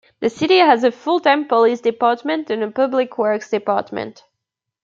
The City has a full-time police department and public works department.